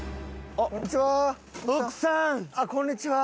あっこんにちは！